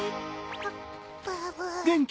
あっバブ。